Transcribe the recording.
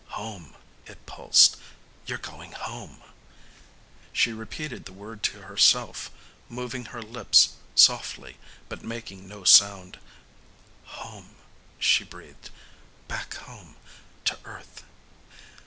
"Home," it pulsed, "you're going home." She repeated the word to herself, moving her lips softly but making no sound. "Home," she breathed, "back home to Earth."